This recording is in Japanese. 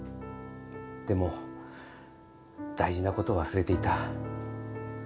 でも大事なことを忘れていた。